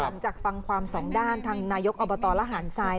หลังจากฟังความสองด้านทางนายกอบตระหารทราย